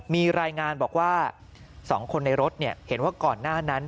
มีรายงานบอกว่า๒คนในรถเห็นว่าก่อนหน้านั้น